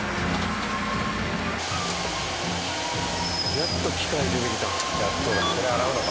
やっと機械出てきた。